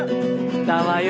きたわよ。